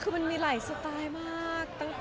คือมันมีหลายสไตล์มาก